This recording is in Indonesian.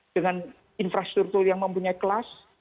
dengan infrastruktur yang mempunyai kelas